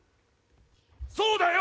そうだよ！